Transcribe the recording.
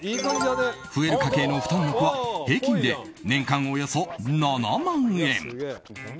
増える家計の負担額は平均で年間およそ７万円。